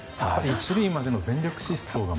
１塁までの全力疾走が。